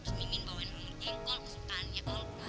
terus mimin bawain pemerintah